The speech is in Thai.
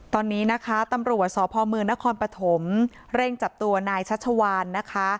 ตอนนี้นะคะตำรวจสพมนครปฐมเร่งจับตัวนายชัชวานนะคะ